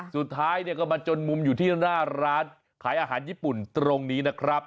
สุดท้ายเนี่ยก็มาจนมุมอยู่ที่หน้าร้านขายอาหารญี่ปุ่นตรงนี้นะครับ